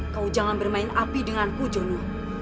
kau jangan bermain api denganku jono